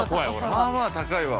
◆まあまあ高いわ。